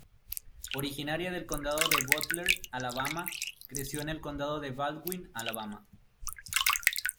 Originaria del Condado de Butler, Alabama, creció en el Condado de Baldwin, Alabama.